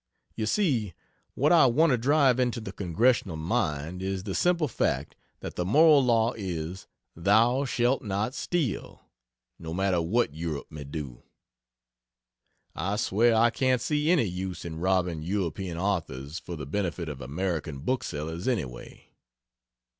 You see, what I want to drive into the Congressional mind is the simple fact that the moral law is "Thou shalt not steal" no matter what Europe may do. I swear I can't see any use in robbing European authors for the benefit of American booksellers, anyway.